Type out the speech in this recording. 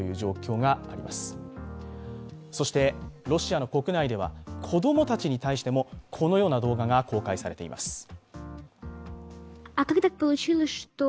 ロシアの国内では子供たちに対してもこのような動画が公開されています。